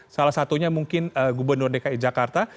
salah satunya mungkin gubernur dki jakarta